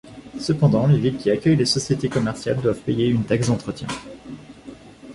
Cependant, les villes qui accueillent les sociétés commerciales doivent payer une taxe d'entretien.